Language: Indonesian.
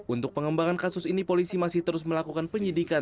untuk pengembangan kasus ini polisi masih terus melakukan penyidikan